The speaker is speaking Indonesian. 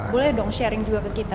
boleh dong sharing juga ke kita